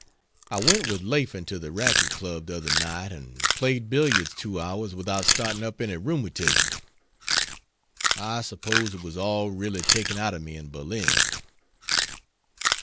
I went with Laffan to the Racquet Club the other night and played, billiards two hours without starting up any rheumatism. I suppose it was all really taken out of me in Berlin.